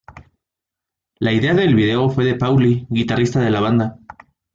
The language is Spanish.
La idea del video fue de Pauli, guitarrista de la banda.